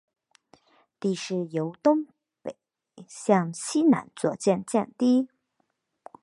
地势由东北向西南逐渐降低。